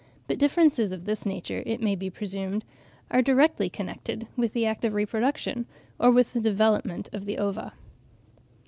But differences of this nature, it may be presumed, are directly connected with the act of reproduction, or with the development of the ova.